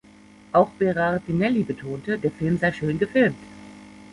Auch Berardinelli betonte, der Film sei schön gefilmt.